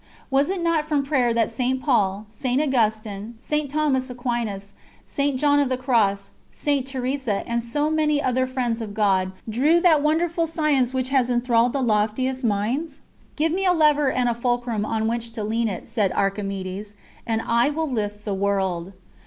Was it not from prayer that St. Paul, St. Augustine, St. Thomas Aquinas, St. John of the Cross, St. Teresa, and so many other friends of God drew that wonderful science which has enthralled the loftiest minds? "Give me a lever and a fulcrum on which to lean it," said Archimedes, "and I will lift the world."